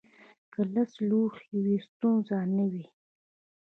که لس لوحې وي، ستونزه نه وي.